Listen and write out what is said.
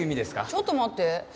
ちょっと待って。